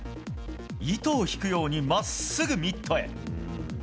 糸を引くように真っすぐミットへ。